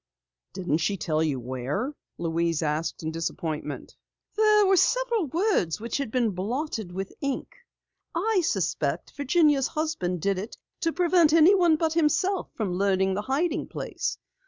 "Didn't she tell you where?" Louise asked in disappointment. "There were several words which had been blotted with ink. I suspect Virginia's husband did it to prevent anyone but himself from learning the hiding place.